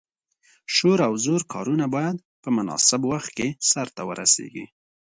شور او زور کارونه باید په مناسب وخت کې سرته ورسیږي.